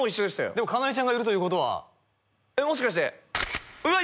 でも金井ちゃんがいるということはえっもしかしてうわ